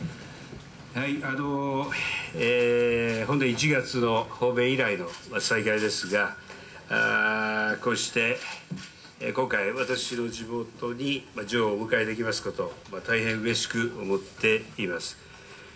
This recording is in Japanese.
１月の訪米以来の再会ですが、こうして、今回私の地元にジョーをお迎えできますこと大変嬉しく思っています。